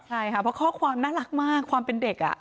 ใช่ค่ะเพราะข้อความน่ารักมากความเป็นเด็ก